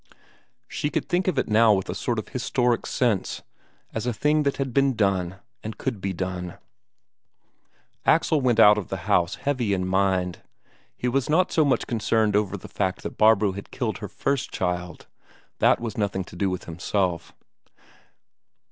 She could think of it now with a sort of historic sense: as a thing that had been done, and could be done. Axel went out of the house heavy in mind. He was not so much concerned over the fact that Barbro had killed her first child that was nothing to do with himself.